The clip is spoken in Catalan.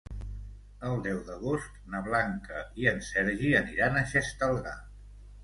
El deu d'agost na Blanca i en Sergi aniran a Xestalgar.